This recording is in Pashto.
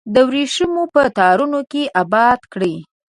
د وریښمو په تارونو کې اباد کړي